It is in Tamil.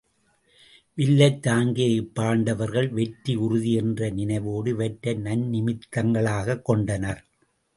வில்லைத் தாங்கிய இப்பாண்டவர்கள் வெற்றி உறுதி என்ற நினைவோடு இவற்றை நன்னிமித் தங்களாகக் கொண்டனர்.